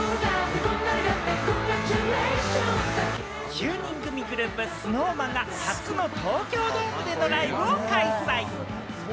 １０人組グループ・ＳｎｏｗＭａｎが、初の東京ドームでのライブを開催。